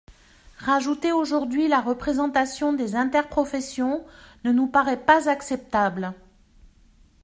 Rajouter aujourd’hui la représentation des interprofessions ne nous paraît pas acceptable.